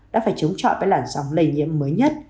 đã phải chống chọi với làn sóng lây nhiễm mới nhất